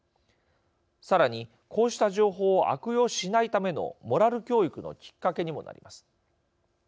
さらに、こうした情報を悪用しないためのモラル教育のきっかけにもなります。